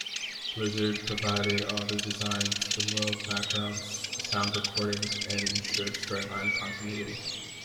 Blizzard provided all the designs, the world backgrounds, sound recording and ensured storyline continuity.